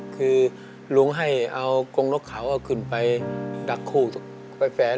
คือลุงให้เอากงนกเขาเอาขึ้นไปดักคู่ไปแฟน